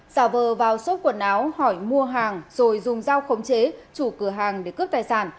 giả vờ vào xốp quần áo hỏi mua hàng rồi dùng dao khống chế chủ cửa hàng để cướp tài sản